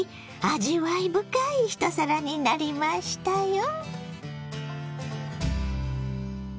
味わい深い一皿になりましたよ。